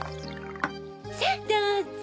さぁどうぞ。